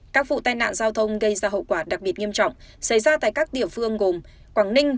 các vụ tai nạn giao thông gây ra hậu quả đặc biệt nghiêm trọng xảy ra tại các địa phương gồm quảng ninh